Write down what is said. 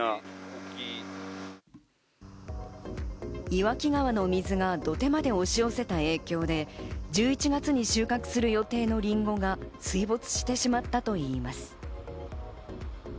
岩木川の水が土手まで押し寄せた影響で１１月に収穫する予定のりんごが水没してしまったといいます。